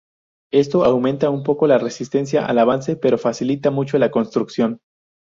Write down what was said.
Esto aumenta un poco la resistencia al avance, pero facilita mucho la construcción.